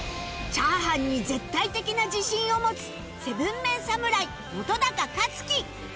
炒飯に絶対的な自信を持つ ７ＭＥＮ 侍本克樹